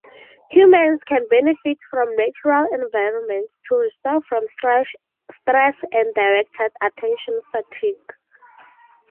Humans can benefit from natural environments to restore from stress and directed attention fatigue.